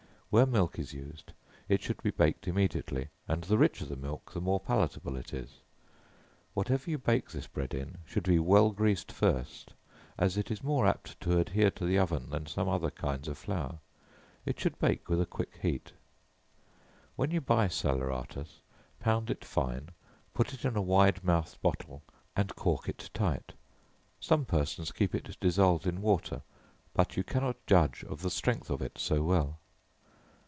Where milk is used, it should be baked immediately, and the richer the milk, the more palatable it is. Whatever you bake this bread in, should be well greased first, as it is more apt to adhere to the oven than some other kinds of flour. It should bake with a quick heat. When you buy salaeratus, pound it fine, put it in a wide mouthed bottle, and cork it tight. Some persons keep it dissolved in water, but you cannot judge of the strength of it so well.